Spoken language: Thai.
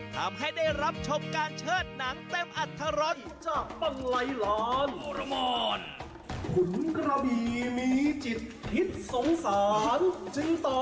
ทำให้ได้รับชมการเชิดหนังเต็มอัตรรส